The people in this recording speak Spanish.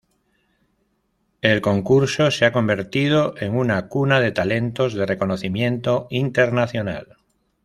El concurso se ha convertido en una "cuna de talentos" de reconocimiento internacional.